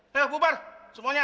hei bubar semuanya